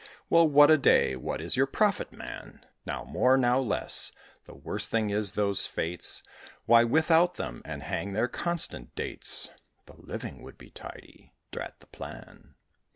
"Well, what a day? what is your profit, man?" "Now more, now less; the worst thing is those fêtes. Why, without them and hang their constant dates! The living would be tidy drat the plan!